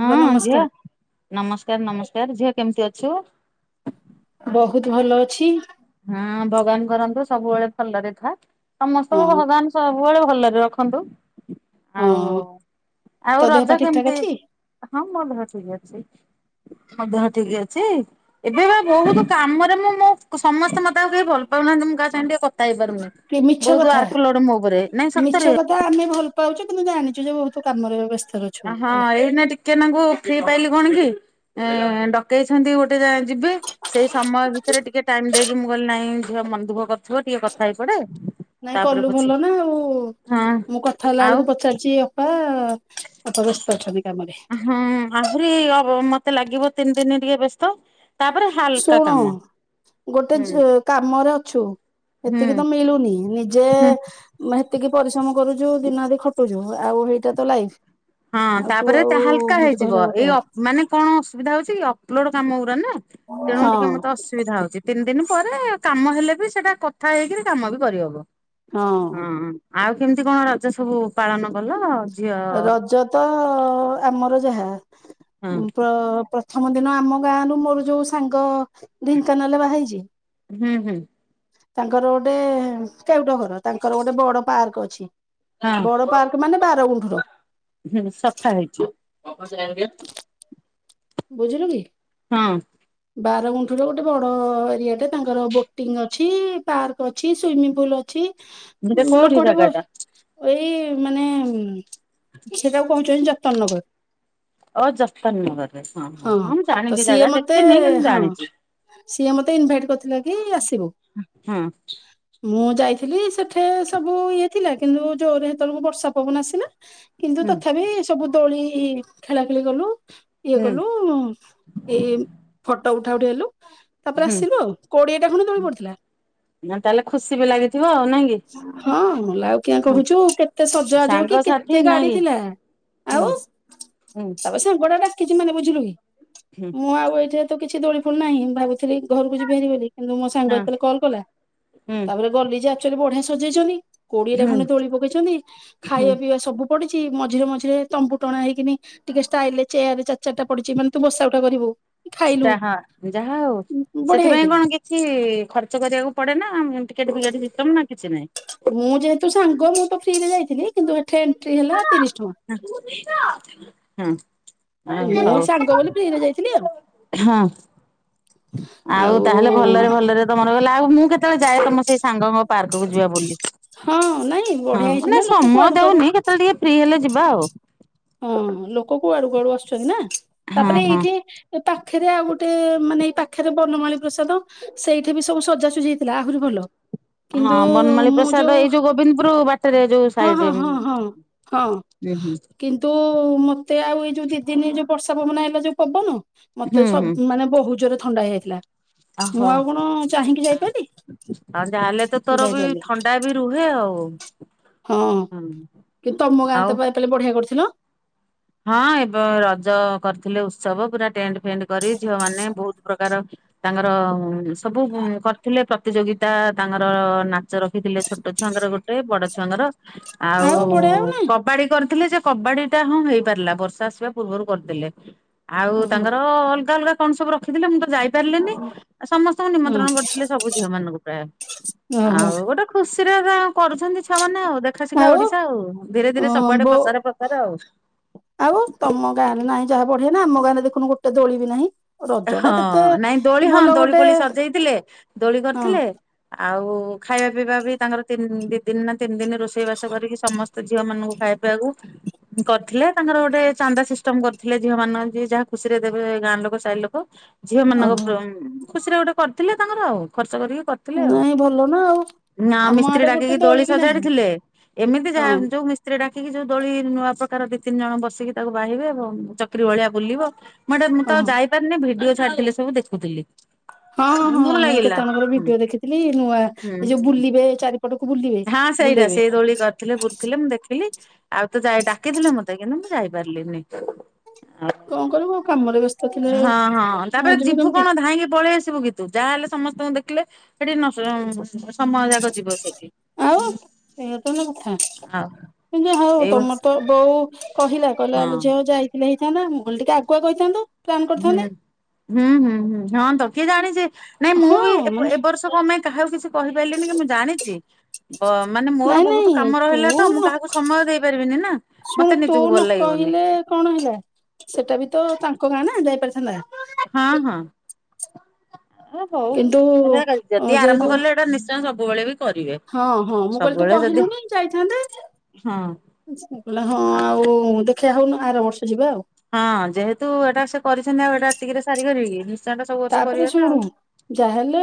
ଅପା ହଁ ଝିଅ ନମସ୍କାର ନମସ୍କାର ନମସ୍କାର। ଝିଅ କେମିତି ଅଛୁ? ବହୁତ ଭଲ ଅଛି। ହଁ ଭଗବାନ କରନ୍ତୁ ସବୁବେଳେ ଭଲରେ ଥାଆ। ହଁ ସମସ୍ତଙ୍କୁ ଭଗବାନ ସବୁବେଳେ ଭଲରେ ରଖନ୍ତୁ। ଆଉ ହଁ ତୋ ଆଉ ଦେହ ପା ରଜ ଠିକ ଠାକ କେମିତି ଅଛି? ହଁ ମୋ ଦେହ ଠିକ୍ ଅଛି। ତମ ଦେହ ଠିକ ଅଛି? ଏବେ ବା ବହୁତୁ କାମରେ ମୁଁ ମୋ କୁସ୍ ସମସ୍ତେ ମତେ ଆଉ କେହି ଭଲ ପାଉନାହାନ୍ତି ମୁଁ କାହା ସାଙ୍ଗେ ଟିକେ କଥ ଥା ହେଇପାରୁନି କି ମିଛ ବହୁତୁ ୱାର୍କ ଲୋଡ଼ ମୋ ଉପରେ ନାଇଁ ସତରେ। ତ ଆମେ ଭଲ ପାଉଚୁ କିନ୍ତୁ ଜାଣିଚୁ ଯେ ବହୁତୁ କାମରେ ବ୍ୟସ୍ତ ରହୁ ଅ ହଁ ଏଇନେ ଟିକେ ନାଙ୍ଗୁ ଫ୍ରି ପାଇଲିି କଣ କି? ଏଁ ଏଁ ଏଁ ଡ଼କେଇଛନ୍ତି ଗୋଟେ ଜାଗା ଯିବି। ସେଇ ସମୟ ଭିତେରେ ଟିକେ ଟାଇମ୍ ଦେଇକି ମୁଁ କହିଲିି ନାଇଁ ଝିଅ ମନ ଦୁଃଖ କରୁଥୁବ ଟିକେ କଥା ହେଇ ପଡେ ନାଇଁ ତାପରେ କଲୁ ପଛେ ଭଲ ନା ଆଉ ହଁ ମୁଁ କଥା ହେଲା ଆଉ ବେଳକୁ ପଚାରିଚି ଅପା ଆ ଆ ଆ ଅପା ବ୍ୟସ୍ତ ଅଛନ୍ତି କାମରେ। ହଁ ଆହୁରି ଅବ ମତେ ଲାଗିବ ତିନି ଦିନି ଟିକେ ବ୍ୟସ୍ତ। ହଲକା ଶୁଣୁ କାମ ଗୋଟେ ହୁଁ ଯ କାମରେ ଅଛୁ ହୁଁ ଏତିକି ତ ମିଳୁନି ନିଜେ ଏ ହୁଁ ଏ ମେ ହେତିକି ପରିଶ୍ରମ କରୁଚୁ ଦିନ ରାତି ଖଟୁଚୁ ଆଉ ହେଇଟା ତ ଲାଇଫ୍। ହଁ ତାପରେ ତ ହାଲକା ହେଇଯିବ ଗୋଟେ ଏଇ ଅପ ମାନେ କଣ ଅସୁବିଧା ହଉଚି କି ଅପଲୋଡ଼ କାମ ଗୁୁରା ନା ତେଣୁ ହଁ ଟିକେ ମତେ ଅସ୍ ସୁବିଧା ହଉଚି ତିନି ଦିନି ପରେ କାମ ହେଲେ ବି ସେଟା କଥା ହେଇକିରି କାମ ବି କରିହବ। ହଁ ଆଉ କେମତି କଣ ରଜ ସବୁ ପାଳନ କଲ? ଝିଅ ରଜ ତ ଅ ଅ ଆମର ଯାହା ହଁ। ଉଁ ପ୍ର ପ୍ର ଥମ ଦିନ ଆମ ଗାଁରୁ ମୋର ଯୋଉ ସାଙ୍ଗ ଢ଼େଙ୍କାନାଲରେ ବାହା ହେଇଚି ହୁଁ ହୁଁ। ତାଙ୍କର ଗୋଟେ କେଉଟ ଘର ତାଙ୍କର ଗୋଟେ ବଡ ପାର୍କ ଅଛି। ହଁ ବଡ ପାର୍କ ମାନେ ବାରଗୁଣ୍ଠୁର। ହୁଁ ସଫା ହେଇଚି। ବୁଝିଲୁ କି? ହଁ। ବାରଗୁଣ୍ଠୁ ର ଗୋଟେ ବଡ଼ ଏରିଆ ଟେ ତାଙ୍କର ବୋଟିଙ୍ଗ ଅଛି ପାର୍କ ଅଛି ସୁଇମିଙ୍ଗ ପୁଲ ଅ ଅଛି ଯେ କୋଉଠି ଲୋକ ହେଠେ ଜାଗା ଟା? ଭ ଏଇ ମାନେ ଉଁ ସେଟାକୁ କହୁଚନ୍ତି ଜତନ ନଗର। ଅ ଜତନ୍ ନଗର ରେ ହଁ ହଁ ହଁ ମୁଁ ତ ଜାଣିଚି ସିଏ ଜାଗା ଦେଖ ମତେ ଏ ଏ ହଁ ସିଏ ମତେ ଇନଭାଇଟ କରିଥିଲା କି ଆସିବୁ। ହଁ ମୁଁ ଯାଇଥିଲି ସେଠେ ସବୁ ଇଏ ଥିଲା କିନ୍ତୁ ଜୋରରେ ହେତବେଳକୁ ବର୍ଷା ପବନ ଆସିଲା। କିନ୍ତୁ ହୁଁ ତଥାବି ସବୁ ଦୋଳି ଖେଳା ଖେଳି କଲୁ ଇଏ ହୁଁ କଲୁ ଏଇ ଫଟୋ ଉଠା ଉଠି ହେଲୁ ତାପରେ ହୁଁ ଆସିଲୁ ଆଉ କୋଡ଼ିଏଟା ଖଣ୍ଡେ ଦୋଳି ପଡିଥିଲା। ନା ତାହାଲେ ଖୁସି ବି ଲାଗି ଥିବ ଆଉ ନାଇଁ କି? ହଁ ମଲା ଆଉ କିଆଁ ହଁ କହୁଚୁ କେତେ ସଜାବାଜ ହଉ କି ସାଙ୍ଗସାଥି କେତେ ନାଇଁ ଗାଡ଼ି କି? ଥିଲା। ଆଉ ହୁଁ। ହୁଁ ତାପରେ ସାଙ୍ଗ ଟା ଡାକିଚି ମାନେ ବୁଝିଲୁ କି? ହୁଁ। ମୁଁ ଆଉ ଏଇଠେ ତ କିଛି ଦୋଳି ଫୋଳି ନାଇଁ ମୁଁ ଭାବୁ ଥିଲି ଘରକୁ ଯିବି ଭାରି ବୋଲି କିନ୍ତୁ ମୋ ସାଙ୍ଗ ହଁ ଯେତବଳେ କଲ କଲା ହୁଁ ତାପରେ ଗଲି ଯେ ଆ ଆକ୍ଚୁଆଲି ବଢ଼ିଆ ସଜେଇଚନ୍ତି କୋଡ଼ିଏଟା ହୁଁ ଖଣ୍ଡେ ଦୋଳି ପକେଇଛନ୍ତି ହୁଁ ଖାଇବା ପିଇବା ସବୁ ପଡିଚି ମଝିରେ ମଝିରେ ତମ୍ବୁ ଟଣା ହେଇକିନି ଟିକେ ଷ୍ଟାଇଲ୍ ରେ ଚେୟାର୍ ଚାରି ଚାରିଟା ପଡିଚି ମାନେ ତୁ ବସା ଉଠା କରିବୁ। ଖାଇଲୁ [unintelligible] ଯାହା ହଉ ବଢିଆ ସେଥିପାଇଁ ହେଇଥିଲା କଣ୍ କି କିଛି ଖର୍ଚ୍ଚ କରିବାକୁ ପଡେ ନା ଟିକେଟ୍ ଫିକେଟ୍ ସିଷ୍ଟମ୍ ନା କିଛି ନାହିଁ? ମୁଁ ଯେହେତୁ ସାଙ୍ଗ ମୁଁ ତ ଫ୍ରି ରେ ଯାଇଥିଲି କିନ୍ତୁ ଏଠେ ଏଣ୍ଟ୍ରି ହେଲା ତିରିଶ୍ ଟଙ୍କା। ହଁ। ମୁଁ ହଉ- ସାଙ୍ଗ ବୋଲି ଫ୍ରିରେ ଯାଇଥିଲି ଆଉ ହଁ। ଆଉ ତାହେଲେ ଭଲରେ ଭଲରେ ତମର ଗଲ ଆଉ ମୁଁ କେତେବେଳେ ଯାଏ ତମ ସେଇ ସାଙ୍ଗଙ୍କ ପାର୍କକୁ ଯିବା ବୁଲି। ହଁ- ନାଇଁ ହଁ ବଢିଆ ହେଇଛି ମାନେ ନା ଲୋକ ସମୟ କୁଆଡୁ କୁଆଡୁ ଦଉନି କେତେବେଳେ ଟିକେ ଫ୍ରି ହେଲେ ଯିବା ଆଉ। ହଁ ଲୋକ କୁଆଡୁ କୁଆଡୁ ଆସୁଚନ୍ତି ନା ହଁ ତାପରେ ହଁ ଏଇଠି ଏ ପାଖରେ ଆଉ ଗୋଟେ ମାନେ ଏଇ ପାଖେରେ ବନମାଳୀ ପ୍ରସାଦ ସେଇଠି ବି ସବୁ ସଜାସଜି ହେଇ ଥିଲା ଆହୁରି ଭଲ। କିନ୍ତୁ ହଁ ବନମାଳୀ ମୁଁ ପ୍ରସାଦ ଯଉ ଏଇ ଯୋଉ ଗୋବିନ୍ଦପୁର ବାଟରେ ଯୋଉ ହଁ- ସାଇଡ ରେ ହଁ- ହୁଁ ହଁ- ହଁ। ହଁ। ହୁଁ କିନ୍ତୁ ମତେ ଆଉ ଏଇ ଯଉ ଦି ଦିନ ଯଉ ବର୍ଷା ପବନ ଆଇଲା ଯଉ ପବନ ମତେ ହୁଁ ହୁଁ ସବ୍- ମାନେ ବହୁତ୍ ଜୋରେ ଥଣ୍ଡା ହେଇଯାଇଥିଲା। ଓହୋ ମୁଁ ଆଉ କଣ ଚାହିଁକି ଯାଇପାରିଲି ଆଉ ଯାହାହେଲେ ତ ତୋର ବି ଯାଇପାରିଲି ଥଣ୍ଡା ବି ରୁହେ ଆଉ। ହଁ ହୁଁ କିନ୍ତୁ ତମ ଆଉ ଗାଁରେ ତ [unintelligible] ବଢିଆ କରୁଥିଲ। ହଁ ଏବେ ରଜ କରିଥିଲେ ଉତ୍ସବ ପୁରା ଟେଣ୍ଡ୍ ଫେଣ୍ଡ୍ କରି ଝିଅ ମାନେ ବହୁତ୍ ପ୍ରକାର ତାଙ୍କର ସବୁ କରିଥିଲେ ପ୍ରତିଯୋଗିତା ତାଙ୍କର ନାଚ ରଖିଥିଲେ ଛୋଟ ଛୁଆଙ୍କର ଗୋଟ୍ ଏ ବଡ ଛୁଆଙ୍କର ଆଉ ବଢିଆ ଆଉ ନାଇଁ କବାଡି କରିଥିଲେ ଯେ କବାଡି ଟା ହଁ ହେଇ ପାରିଲା ବର୍ଷା ଆସିବା ପୂର୍ବରୁ କରିଦେଲେ ଆଉ ଓହୋ ତାଙ୍କର ଅଲଗା ଅଲଗା କଣ ସବୁ ରଖିଥିଲେ ମୁଁ ତ ଯାଇ ପାରିଲିନି ଆ ସମସ୍ତଙ୍କୁ ହଁ ନିମନ୍ତ୍ରଣ କରିଥିଲେ ସବୁ ଝିଅ ମାନଙ୍କୁ ପ୍ରାୟ ଓହୋ ଆଉ ଗୋଟେ ଖୁସିରେ କରୁଚନ୍ତି ଛୁଆମାନେ ଆଉ ଦେଖ୍ ଦେଖା ଶିଖା ଓଡିଶା ଆଉ ଧୀରେ ଅ ଧୀରେ ସବୁଆଡେ ବୋ ପ୍ରସାର ପ୍ରଚାର ଆଉ। ଆଉ ତମ ଗାଁରେ ନାହିଁ ଯାହା ବଢିଆ ନା ଆମ ଗାଁରେ ଦେଖୁନୁ ଗୋଟେ ଦୋଳି ବି ନାହିଁ। ରଜ ହଁ ଟା କେତେ ନାଇଁ ଦୋଳି ହଁ ଭଲ ଦୋଳି ଗୋଟେ ଫୋଳି ସଜେଇଥିଲେ ଦୋଳି ହଁ କରିଥିଲେ ଆଉ ଖାଇବା ପିଇବା ବି ତାଙ୍କର ତିନି ଦି ଦିନ୍ ନା ତିନି ଦିନି ରୋଷେଇ ବାସ କରିକି ସମସ୍ତ ଝିଅ ମାନଙ୍କୁ ଖାଇ ପିଇବାକୁ କରିଥିଲେ ତାଙ୍କର ଗୋଟେ ଚାନ୍ଦା ସିଷ୍ଟମ୍ କରିଥିଲେ ଝିଅ ମାନଙ୍କୁ ଯିଏ ଯାହା ଖୁସି ରେ ଦେବେ ଗାଁ ଲୋକ ସାଇ ଲୋକ। ଝିଅ ମାନଙ୍କ ଓହୋ [unintelligible] ଖୁସିରେ ଗୋଟେ କରିଥିଲେ ତାଙ୍କର ଆଉ ଖର୍ଚ୍ଚ କରିକି କରି ଥିଲେ ଆଉ ନାଇଁ ଭଲ ନା ଆଉ ନା ଆମ ମିସ୍ତ୍ରୀ ଆଡେ ଗୋଟେ ଡାକିକି ଦୋଳି ବି ନାହିଁ ସଜାଡିଥିଲେ ଏମିତି ହଁ ଯାହା ଯଉ ମିସ୍ ମିସ୍ତ୍ରୀ ଡାକିକି ଯଉ ଦୋଳି ନୂଆ ପ୍ରକାର ଦି ତିନି ଜଣ ବସିକି ତାକୁ ବାହିବେ ଏବଂ ଚକ୍ରି ଭଳିଆ ବୁଲିବ। [unintelligible] ମୁଁ ତ ହଁ ଆଉ ଯାଇପାରିନି ଭିଡିଓ ଛାଡ଼ିଥିଲେ ସବୁ ଦେଖୁଥିଲି। ହଁ -ହଁ -ହଁ ଭଲ ମୁଁ କେତେ ଲାଗିଲା ଜଣଙ୍କର ହୁଁ ଭିଡିଓ ଦେଖିଥିଲି ନୂଆ ଏ ଯଉ ହୁଁ ବୁଲିବେ ଚାରି ହଁ ସେଇଟା ସେଇ ଦୋଳି କରିଥିଲେ ବୁଲୁଥିଲେ ମୁଁ ଦେଖି ଥିଲି ଆଉ ତ ଯାଇ ଡାକିଥିଲେ ମତେ କିନ୍ତୁ ମୁଁ ଯାଇପାରିଲିିନି। କଣ କରିବୁ କାମରେ ବ୍ୟସ୍ତ ଥିଲେ ହଁ- ହଁ ତାପରେ ନ ଯିବୁ କେମିତି କଣ ଧାଇଁକି ପଳେଇ ଆସିବୁ କି ଯାହାହେଲେ ସମସ୍ତଙ୍କୁ ଦେଖିଲେ ସେଠି [unintelligible] ସମୟ ଯାକ ଯିବ ସେଠି। ହୁଁ ଏଇଆ ତାହାଲେ କଥା। କିନ୍ତୁ ହଉ ଏଇ ତମର ତ ବଉ କହିଲା- କହିଲା ହଁ। ଆଲ ଝିଅ ଯାଇ ଥିଲେ ହେଇଥାନ୍ତା ମୁ କହିଲି ଟିକେ ଆଗୁଆ କହିଥାନ୍ତୁ ହୁଁ ହୁଁ ହୁଁ ହୁଁ ହଁ ତ କିଏ ଜାଣିଛି ନାଇଁ ମୁଁ ହଁ ବି ଏବ ମାନେ ବର୍ଷ ମ ପାଇଁ କାହାକୁ କିଛି କହିପାରିଲିନି କି ମୁଁ ଜାଣିଛି ଅ ମାନେ ମୋର ନାଇଁ ବହୁତ ନାଇଁ କାମ ତୁ ରହିଲା ତ ମୁଁ ନ କାହାକୁ ସମୟ ଦେଇପାରିବିନି ନା ଶୁଣୁ ମତେ ତୁ ନିଜକୁ ନ ଭଲ ଲାଗିବନି କହିଲେ କଣ ହେଲା ସେଟା ବି ତ ତାଙ୍କ ଗାଁ ନା ଯାଇପାରିଥାନ୍ତା ହଁ ହଁ ହଉ କିନ୍ତୁ ଯଦି ଆରମ୍ଭ ଯେହେତୁ କଲେ ଏଟା ନିଶ୍ ତ ସବୁବେଳେ ବି କରିବେ ହଁ ହଁ ମୁଁ କହିଲି ତୁ ସବୁବେଳେ ଯଦି କହିଲୁନି ଯାଇଥାନ୍ତେ ହଁ ସେ କହିଲା ହଁ ଆ ଆଉ ଦେଖିବା ହଉନ ଆର ବର୍ଷ ଯିବା ଆଉ ହଁ ଯେହେତୁ ଏଟା ସେ କରିଛନ୍ତି ଆଉ ଏଟା ଏତିକିରେ ସାରି କରିବି ନିଶ୍ଚୟଟା ସବୁ ବର୍ଷ ତାପରେ କରିବେନା ଶୁଣୁ ଆଉ ଯାହାହେଲେ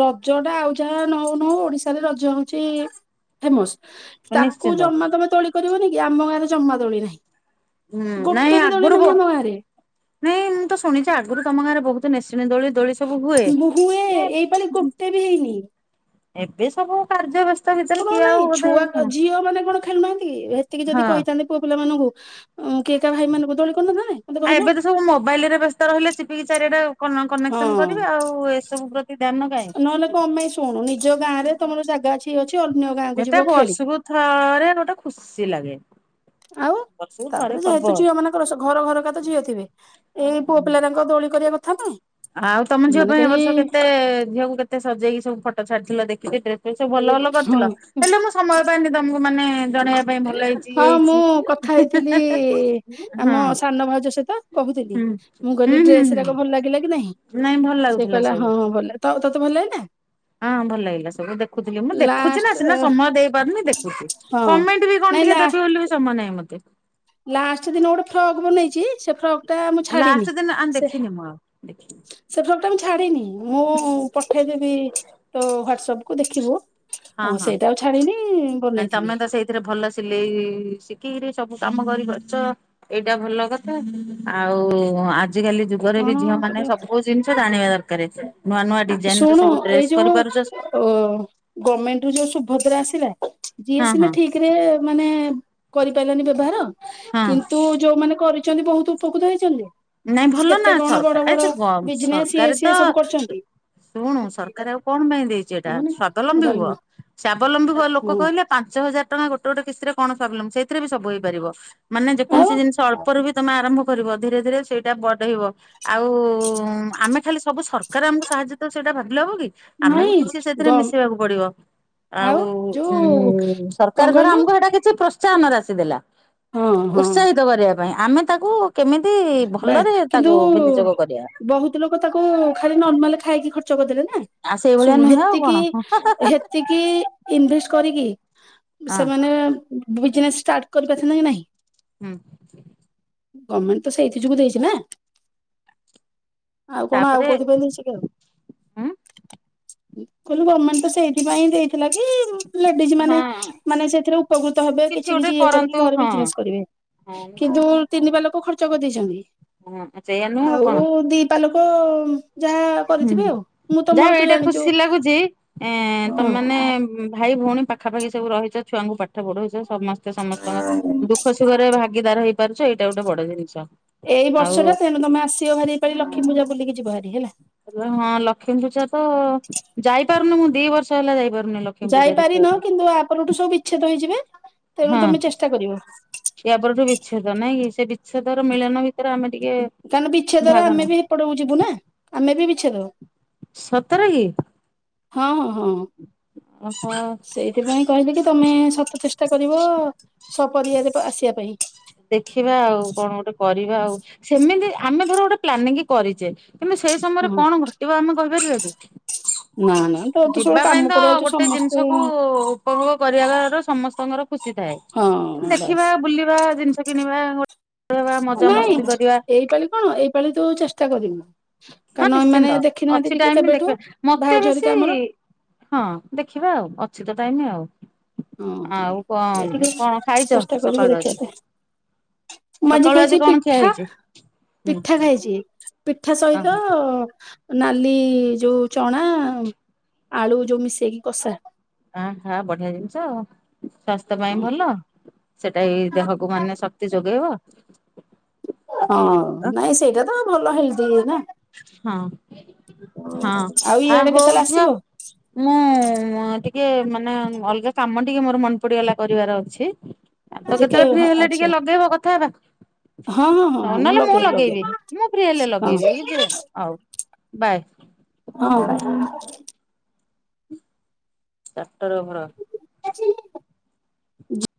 ରଜ ଟା ଆଉ ଯାହା ନଉନଉ ଓଡିଶାରେ ରଜ ହଉଛି ଫେମସ୍ ତାକୁ ନିଶ୍ଚିନ୍ତ ଜମା ତମେ ତୋଳି କରିବନି କି ଆମ ଗାଁରେ ଜମା ତୋଳି ନାହିଁ ହୁଁ ନାଇଁ ଗୋଟେ ବି ଦୋଳି ଆଗରୁ ନାହିଁ ବ ଆମ ଗାଁରେ ନାଇଁ ମୁଁ ତ ଶୁଣିଛି ଆଗରୁ ତମ ଗାଁରେ ବହୁତ ମେସିନ ଦୋଳି ଦୋଳି ସବୁ ହୁଏ। ବୋହୁଏ ନାଇଁ ଏଇପାଳି ଗୋଟେ ବି ହେଇନି ଏବେ ସବୁ କାର୍ଯ୍ୟ ବ୍ୟସ୍ତ ଭିତରେ କଣ କିଏ ଆଉ ନାାଇଁ ବୋଧେ ଛୁଆ ହଁ ଝିଅ ମାନେ କଣ ଖେଳୁନାହାନ୍ତି ଏତିକି ଯଦି ଆଉ କହିଥାନ୍ତି ପୁଅ ପିଲାମାନଙ୍କୁ କେକା ଭାଇ ମାନଙ୍କୁ ଦଳି କରିନେ ନଁ ଥାନ୍ତେ ଆଉ ଏବେ ତ ସବୁ ମୋବାଇଲ ରେ ବ୍ୟସ୍ତ ରହିଲେ ଚିପିକି ଚାରିଆଡ଼େ ହଁ କନେକ୍ସନ କରିବେ ଆଉ ଏସବୁ ଧ୍ୟାନ କାହିଁ ନହେଲେ କଣ ପାଇଁ ଶୁଣୁ ନିଜ ଗାଁରେ ତମର ଜାଗା ଅଛି ଇଏ ଅଛି ଅନ୍ୟ ଗାଁକୁ ଏଟା ଯିବ ଖେଳି ବର୍ଷକୁ ଥରେ ଗୋଟେ ଖୁସି ଲାଗେ ଆଉ ବର୍ଷକୁ ଥରେ ତାପରେ ପର୍ବ। ଯେହେତୁ ଝିଅ ମାନଙ୍କର ର ଘର ଘରକା ତ ଝିଅ ଥିବେ ଏଇ ପୁଅ ପିଲା ଯାଙ୍କ ଦୋଳି କରିବା କଥା ନା ଆଉ ତମ ଝିଅ ପାଇଁ ଏବ ବର୍ଷ କେତେ ଝିଅକୁ କେତେ ଏତେ ସଜେଇକି ସବୁ ଫଟୋ ଛାଡିଥିଲ ଦେଖିକି ଡ୍ରେସ୍ ଫେସ୍ ସବୁ ଭଲ ଭଲ ହଁ କରିଥିଲ ହେଲେ ସମୟ ପାଇନି ତମକୁ ମାନେ ଜଣେଇବା ପାଇଁ ଭଲ ହେଇଛି ହଁ ଇଏ ମୁଁ କଥା ହେଇଥିଲି ହେଇଛି। ଆମ ହଁ ସାନ ଭାଉଜ ସହିତ କହୁଥିଲି ହୁଁ ମୁଁ କହିଲି ହୁଁ ହୁଁ ଡ୍ରେସ୍ ହୁଁ ରାକ ଭଲ ଲାଗିଲା କି ନହିଁ ନାଇଁ ଭଲ ସେ ଲାଗୁଥିଲା କହିଲା ସବୁ। ହଁ ହଁ ଭଲ ତ ତତେ ଭଲ ଲାଗିଲା। ହଁ ଭଲ ଲାଗିଲା ସବୁ ଦେଖୁଥିଲି ମୁଁ ଦେଖୁଛି ନା ଲାଷ୍ଟ ସିନା ସମୟ ଦେଇପାରୁନି ଦେଖୁଛି ହଁ କମେଣ୍ଟ ବି କଣ ନାଇଁ ଟିକେ ଲା ଦେବି ବୋଲି ବି ସମୟ ନାହିଁ ମତେ। ଲାଷ୍ଟ ଦିନ ଗୋଟେ ଫ୍ରକ୍ ବନେଇଛି ସେ ଫ୍ରକ୍ ଟା ମୁଁ ଛାଡିନି ଲାଷ୍ଟ ଦିନ ଆଉ ସେ ଦେଖିନି ମୁଁ ଆଉ ଦେଖିନି। ସେ ଫ୍ରକ ଟା ମୁ ଛାଡିିନି ମୁଁ ପଠେଇଦେବି ତ ହ୍ଵାଟସପ୍ କୁ ଦେଖିବୁ? ଓ ସେଇଟା ଆଉ ଛାଡିନି। ଆ ବନେଇଥିଲି ତମେ ତ ସେଇଥିରେ ଭଲ ସିଲେଇ ଶିଖିକିରି ସବୁ କାମ କରି ପାରୁଛ। ଏଇଟା ଭଲ କଥା ଆଉ ଆଜିକାଲି ଯୁ ଗରେ ବି କଣ ଝିଅ ମାନେ କରିବା ସବୁ ଜିନିଷ ଜାଣିବା ଦରକାର ନୂଆ ନୂଆ ଡିଜାଇନ ର ସବୁ ଡ୍ରେସ କରିପାରୁଛ ଓ ଗମେଣ୍ଟ ରୁ ଯୋଉ ସୁଭଦ୍ରା ଆସିଲା ଯିଏ ହଁ ସିନା ହଁ ଠିକ ରେ ମାନେ କରିପାରିଲାନି ବ୍ୟବହାର ହଁ। କିନ୍ତୁ ଯୋଉମାନେ କରିଛନ୍ତି ବହୁତ ଉପକୃତ ହେଇଛନ୍ତି। ନାଇଁ ଭଲ ନା କେତେ କଣ ବଡ ସରକାର ବଡ ଏ ଗ ବିଜନେସ ଇଏ ସରକାର ତ ସିଏ ସବୁ କରିଛନ୍ତି ଶୁଣୁ ସରକାର ଆଉ କଣ ପାଇଁ ଦେଇଛି ଏଇଟା ହବନି ସ୍ଵାବଲମ୍ବୀ ହୁଅ। ଡାଲମା ସ୍ୱାବଲମ୍ବୀ ଲୋକ ହଁ କହିଲେ ପାଞ୍ଚ ହଜାର ଟଙ୍କା ଗୋଟେ ଗୋଟେ କିସ୍ତିରେ କଣ ସ୍ୱାବଲମ୍ବୀ ସେଇଥିରେ ବି ସବୁ ହେଇପାରିବ। ମାନେ ଯେକୌଣସି ଆଉ ଜିନିଷ ଅଳ୍ପରୁ ବି ତମେ ଆରମ୍ଭ କରିବ ଧୀରେ ଧୀରେ ସେଇଟା ବଢ଼େଇବ ଆଉ ଆମେ ଖାଲି ସବୁ ସରକାର ଆମକୁ ସାହାଯ୍ୟ ତ ସେଇଟା ଭାବିଲେ ହବକି? ଆମେ ବି ନାଇଁ କିଛି ସେଥିରେ ଗମ ମିଶିବାକୁ ପଡିବ। ଆଉ ଉଁ କଣ ସରକାର ଧର କହିଲୁ ଆମକୁ ଏଇଟା କିଛି ପ୍ରୋସ ଉତ୍ସାହନ ଆମର ଆସିଥିଲା ହଁ ହଁ ଉତ୍ସାହିତ କରିବା ପାଇଁ ଆମେ ତାକୁ କେମିତି ବା ଭଲରେ କିନ୍ତୁ ତାକୁ ବିନିଯୋଗ କରିବା। ବହୁତ ଲୋକ ତାକୁ ଖାଲି ନର୍ମାଲ ଖାଇକି ଖର୍ଚ୍ଚ କରିଦେଲେ ନା। ଆ ସେଇଭଳିଆ ଶୁଣୁ ନୁହେଁ ଆଉ ହେତିକି କଣ ହଁ ହେ ତିକି ଇନଭେଷ୍ଟ କରିକି ସେମାନେ ବିଜନେସ୍ ଷ୍ଟାର୍ଟ କରିପାରିଥାନ୍ତେ କି ନାହିଁ? ହୁଁ। ଗମେଣ୍ଟ ତ ସେଇଥି ଯୋଗୁ ଦେଇଛି ନା? ଆଉ କଣ ଆଉ ତାପରେ କୋଉଥି ପାଇଁ ଦେଇଚିକି ଆଉ। ହୁଁ କହିଲି ଗମେଣ୍ଟ ତ ସେଇଥିପାଇଁ ଦେଇଥିଲା କି ଲେଡିଜ ମାନେ ହଁ ମାନେ ସେଥିରେ ଉପକୃତ ହେବେ କିଛି ଗୋଟେ କିଛି ଇଏ କରନ୍ତୁ କରିକି ଘରେ ହଁ ବିଜନେସ କରିବେ। ହଁ କିନ୍ତୁ ନିଶ୍ଚନ୍ତ। ତିନି ପାଲୋକ ଖର୍ଚ୍ଚ କରିଦେଇଛନ୍ତି ସେଇଆ ନୁହେଁ କଣ ଆଉ ଦି ପାଲୋକ ହୁଁ ହୁଁ ଯାହା ହ ଏଇଟା ଜାଣିଛୁ ଖୁସି ଲାଗୁଛି ଏଁ ହଁ ତମମାନେ ଭାଇ ଭଉଣୀ ପାଖାପାଖି ସବୁ ରହିଛ ଛୁଆଙ୍କୁ ପାଠ ପଢଉଛ ସମସ୍ତେ ସମସ୍ତଙ୍କ ଦୁଖ ଭାଗିଦାର ହେଇ ପାରୁଛ ଏଇଟା ଗୋଟେ ବଡ ଜିନିଷ। ଏଇ ଆଉ ବର୍ଷଟା ତେଣୁ ତମେ ଆସିବ ଭାରି ଏପାଳି ଲକ୍ଷ୍ମୀ ପୂଜା ବୁଲିକି ଯିବ ହାରି ହେଲା। ହଁ ଲକ୍ଷ୍ମୀ ପୂଜା ତ ଯାଇପାରୁନି ମୁଁ ଦି ବର୍ଷ ହେଲା ଯାଇପାରୁନି ଲକ୍ଷ୍ମୀ ପୂଜା ଦେଖିବା ଯାଇପାରିନ ପାଇଁ। କିନ୍ତୁ ଆପରଠୁ ସବୁ ବିଚ୍ଛେଦ ହେଇଯିବେ ତେଣୁ ତମେ ଚେଷ୍ଟା କରିବ। ଇଆ ପରଠୁ ବିଚ୍ଛେଦ ନାଇଁ କି ସେ ବିଚ୍ଛେଦର ମିଳନ ଭିତରେ ଆମେ ଟିକେ କାରଣ ଭାଗ ବିଚ୍ଛେଦରେ ନଉ ଆମେ ବି ହେପଟକୁ ଯିବୁ ନା ଆମେ ବି ବିଚ୍ଛେଦ। ସତରେ କି? ହଁ ହଁ ହଁ। ଓ ହ ସେଥିପାଇଁ କହିଲି କି ତମେ ସତ ଚେଷ୍ଟା କରିବ ସପରିବାରେ ଆସିବା ପାଇଁ। ଦେଖିବା ଆଉ, କଣ ଗୋଟେ କରିବା ଆଉ? ସେମିତି ଆମେ ଧର ଗୋଟେ ପ୍ଲାନିଂ କରିଛେ କିନ୍ତୁ ସେଇ ସମୟରେ ହଁ କଣ ଘଟିବ ଆମେ କହିପାରିବା କି? ନା ନା ତୋର ତ ସବୁ ଯିବା ପାଇଁ କାମ ତ ପଡିଯାଉଛି ଗୋଟେ ସମସ୍ତେ ଜିନିଷ କୁ ଉପଭୋଗ କରି ଆର ସମସ୍ତଙ୍କର ଖୁସି ଥାଏ ହଁ ବାସ୍ ଦେଖିବା ବୁଲିବା ଜିନିଷ କିଣିବା ଗୋଟେ ନାଇଁ ଏଇପାଳି କଣ ଏଇପାଳି ତୁ ଚେଷ୍ଟା କରିବୁ। ହଁ କାରଣ ନିଶ୍ଚିନ୍ତ ଏମାନେ ଦେଖି ଅଛି ନାହାନ୍ତି ଟିକେ ଟାଇମ କେବେଠୁ ଦେଖିବା ମତେ ଭାଉଜ ବେଶୀ ହରିକା ଆମର। ହଁ ଦେଖିବା ଆଉ ଅଛି ତ ଟାଇମ୍ ଆଉ। ହଁ ହଁ ଆଉ କଣ ଟିକେ କଣ ଖାଇଛ ଚେଷ୍ଟା କରିବ ସକାଳୁ ଆଜି? ଦେଖିବାପାଇଁ। ମୁଁ ଅଜି ସକାଳୁ ଆଜି ଖାଇଛି କଣ ଖିଆ ପିଠା, ହେଇଛି? ହୁଁ ପିଠା ଖାଇଛି। ପିଠା ସହିତ ଓହୋ ନାଲି ଯୋଉ ଚଣା, ଆଳୁ ଯୋଉ ମିଶେଇକି କଷା। ଆ ହା ବଢିଆ ଜିନିଷ ଆଉ, ସ୍ୱାସ୍ଥ୍ୟ ପାଇଁ ଭଲ। ସେଟା ବି ଦେହକୁ ମାନେ ଶକ୍ତି ଯୋଗେଇବ। ହଁ, ନାଇଁ ସେଇଟା ତ ଭଲ ହେଲଦି ନା। ହଁ, ହଁ, ଆଉ ଆ ଇଆଡେ ହଉ କେତେବେଳେ ଝିଅ ଆସିବ ମୁଁ ହଁ ଟିକେ ମାନେ ଅଲଗା କାମ ଟିକେ ମୋର ମନେ ପଡିଗଲା କରିବାର ଅଛି। ତ ଯେ କେ କେତେବେଳେ ଫ୍ରି ହେଲେ ଟିକେ ଆଚ୍ଛା ଲଗେଇବ କଥା ହେବା। ହଁ ହଁ ହଁ ହଉ ହଁ ନହେଲେ ମୁଁ ଲଗେଇବି। ମୁଁ ଫ୍ରି ହେଲେ ହଁ ଲଗେଇବି ନିଜେ। ହଉ ବାଏ। ହଁଅ ଚାଟର ଘର। [unintelligible]